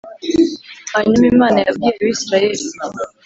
Hanyuma Imana yabwiye Abisirayeli.